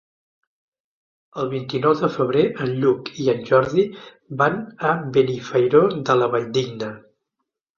El vint-i-nou de febrer en Lluc i en Jordi van a Benifairó de la Valldigna.